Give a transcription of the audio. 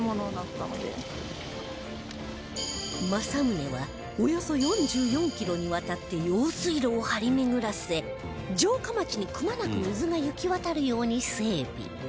政宗はおよそ４４キロにわたって用水路を張り巡らせ城下町にくまなく水が行きわたるように整備